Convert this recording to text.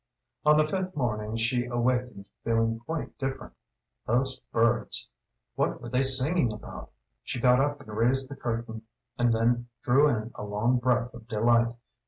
On the fifth morning she awakened feeling quite different. Those birds! What were they singing about? She got up and raised the curtain, and then drew in a long breath of delight.